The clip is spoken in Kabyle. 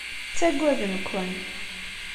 Ttagaden-ken.